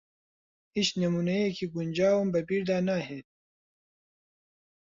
ھیچ نموونەیەکی گونجاوم بە بیردا ناھێت.